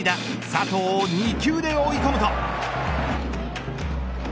佐藤を２球で追い込むと。